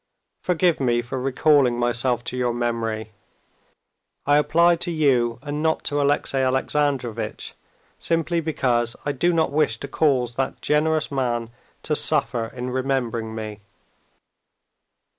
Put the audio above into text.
Forgive me for recalling myself to your memory. I apply to you and not to Alexey Alexandrovitch, simply because I do not wish to cause that generous man to suffer in remembering me.